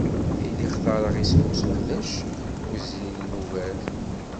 Tili xtareɣ isem useqdac wezzilen ugar.